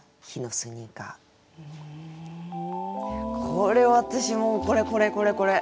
これ私もうこれこれこれこれ！